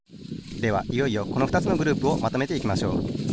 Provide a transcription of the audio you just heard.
ではいよいよこのふたつのグループをまとめていきましょう。